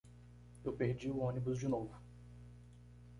Eu perdi o ônibus de novo